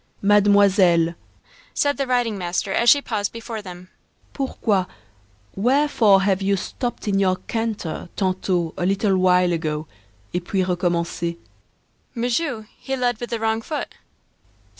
"Mademoiselle," said the riding master, as she paused before them, "pourquoi, wherefore have you stopped in your canter tantôt a little while ago et puis recommencé?" "Monsieur, he led with the wrong foot."